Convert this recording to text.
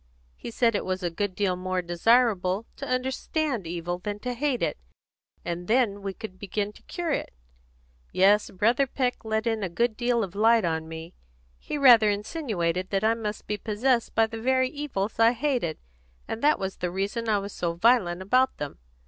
He said it was a good deal more desirable to understand evil than to hate it, for then we could begin to cure it. Yes, Brother Peck let in a good deal of light on me. He rather insinuated that I must be possessed by the very evils I hated, and that was the reason I was so violent about them.